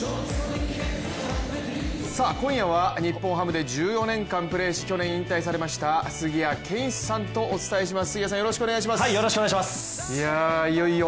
今夜は日本ハムで１４年間プレーし去年引退されました杉谷拳士さんとお伝えします。